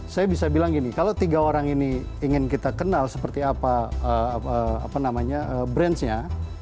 saya bisa bilang gini kalau tiga orang ini ingin kita kenal seperti apa namanya branch nya